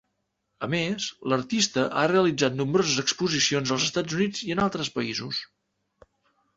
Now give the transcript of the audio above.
A més, l'artista ha realitzat nombroses exposicions als Estats Units i en altres països.